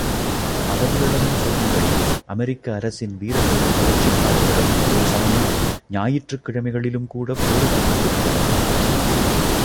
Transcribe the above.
அவர்களிடமும் சொல்லுங்கள் அமெரிக்க அரசின் வீரர்களும் புரட்சிக்காரர்களும் ஒரு சமயம் ஞாயிற்றுக் கிழமைகளிலும் கூட போரிட்டுக் கொண்டிருந்தனர்.